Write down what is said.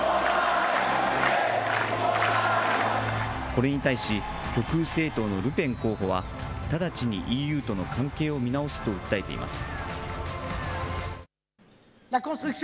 これに対し、極右政党のルペン候補は、直ちにＥＵとの関係を見直すと訴えています。